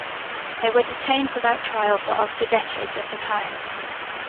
They were detained without trial for up to decades at a time.